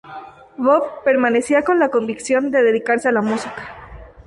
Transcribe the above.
Bob permanecía con la convicción de dedicarse a la música.